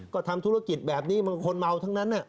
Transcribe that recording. ก็ทำธุรกิจแบบนี้บางคนเมาทั้งนั้น